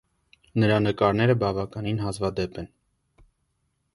Նրա նկարները բավականին հազվադեպ են։